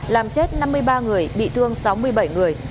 làm chết năm mươi ba người bị thương sáu mươi bảy người